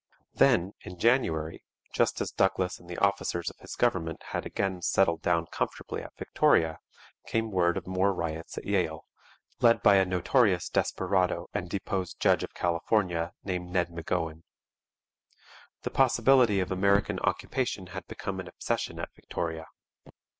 Then, in January, just as Douglas and the officers of his government had again settled down comfortably at Victoria, came word of more riots at Yale, led by a notorious desperado and deposed judge of California named Ned M'Gowan. The possibility of American occupation had become an obsession at Victoria.